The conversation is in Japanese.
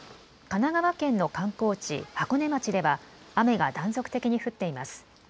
神奈川県の観光地、箱根町では雨が断続的に降っています。